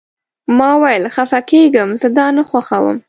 ما وویل: خفه کیږم، زه دا نه خوښوم.